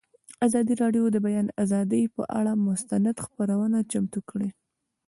ازادي راډیو د د بیان آزادي پر اړه مستند خپرونه چمتو کړې.